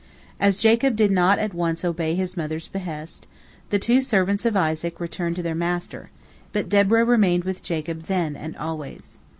As Jacob did not at once obey his mother's behest, the two servants of Isaac returned to their master, but Deborah remained with Jacob then and always.